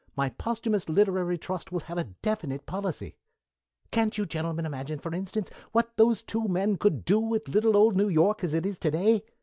My posthumous literary trust will have a definite policy. "Can't you gentlemen imagine, for instance, what those two men could do with little old New York as it is to day?